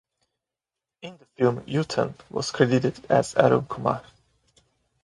In the film Uttam was credited as Arun Kumar.